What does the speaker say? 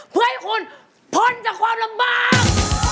เพื่อให้คุณพ้นจากความลำบาก